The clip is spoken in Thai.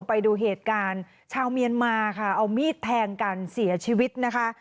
ไปดูเหตุการณ์ชาวเมียนมาค่ะเอามีดแทงกันเสียชีวิตนะคะ